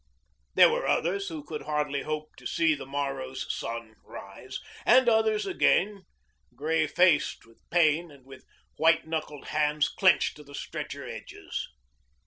There were others who could hardly hope to see the morrow's sun rise, and others again grey faced with pain and with white knuckled hands clenched to the stretcher edges.